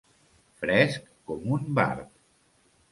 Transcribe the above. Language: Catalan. Fresc com un barb.